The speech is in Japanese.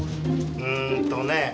うんとね。